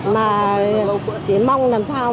mà chỉ mong làm sao